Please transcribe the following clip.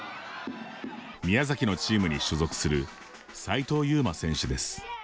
宮崎のチームに所属する齊藤夕眞選手です。